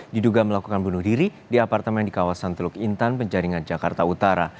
diduga melakukan bunuh diri di apartemen di kawasan teluk intan penjaringan jakarta utara